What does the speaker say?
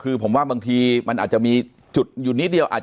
คือผมว่าบางทีมันอาจจะมีจุดอยู่นิดเดียว